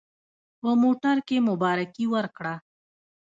په موټر کې مبارکي ورکړه.